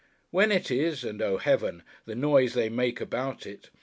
When it is—and oh Heaven! the noise they make about it!